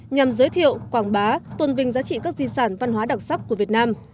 nhằm giới thiệu quảng bá tuân vinh giá trị các di sản văn hóa đặc sắc của việt nam